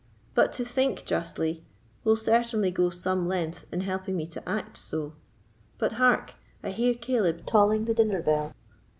But to think justly will certainly go some length in helping me to act so. But hark! I hear Caleb tolling the dinner bell."